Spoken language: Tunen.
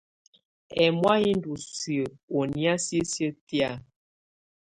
Ɛmɔ̀á yɛ ndù siǝ́ ɔ ɔnɛ̀á sisiǝ́ tɛ̀á.